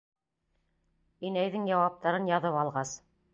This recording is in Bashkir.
Инәйҙең яуаптарын яҙып алғас: